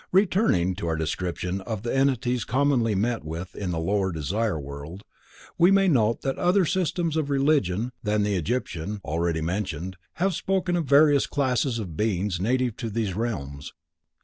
Returning to our description of the entities commonly met with in the lower Desire World, we may note that other systems of religion than the Egyptian, already mentioned, have spoken of various classes of beings native to these realms.